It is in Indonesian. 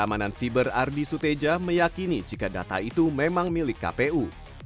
keamanan siber ardi suteja meyakini jika data itu memang milik kpu